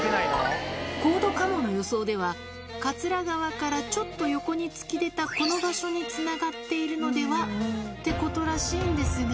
コード・カモの予想では、桂川からちょっと横に突き出た、この場所につながっているのでは？ってことらしいんですが。